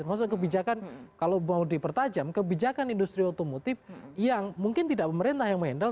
maksudnya kebijakan kalau mau dipertajam kebijakan industri otomotif yang mungkin tidak pemerintah yang mengendal